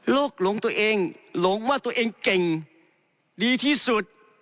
หลงตัวเองหลงว่าตัวเองเก่งดีที่สุด